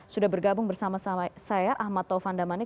sudah bergabung bersama sama saya ahmad taufan damani